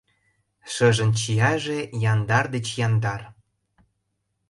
Шыжын чияже яндар деч яндар.